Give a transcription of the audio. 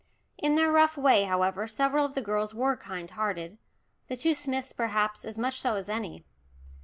In their rough way, however, several of the girls were kind hearted, the two Smiths perhaps as much so as any.